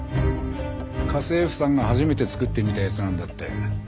家政婦さんが初めて作ってみたやつなんだって。